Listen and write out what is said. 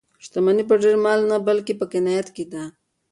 شتمني په ډېر مال نه بلکې په قناعت کې ده.